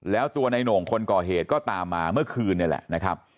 แล้วตัวในโหน่งคนก่อเหตุก็ตามมาเมื่อคืนนี่แหละนะครับ